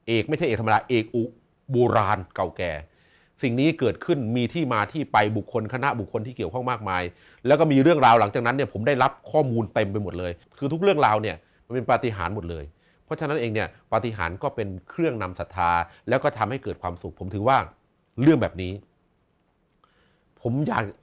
เอกไม่ใช่เอกธรรมดาเอกอุโบราณเก่าแก่สิ่งนี้เกิดขึ้นมีที่มาที่ไปบุคคลคณะบุคคลที่เกี่ยวข้องมากมายแล้วก็มีเรื่องราวหลังจากนั้นเนี่ยผมได้รับข้อมูลเต็มไปหมดเลยคือทุกเรื่องราวเนี่ยมันเป็นปฏิหารหมดเลยเพราะฉะนั้นเองเนี่ยปฏิหารก็เป็นเครื่องนำศรัทธาแล้วก็ทำให้เกิดความสุขผมถือว่าเรื่องแบบนี้ผมอยาก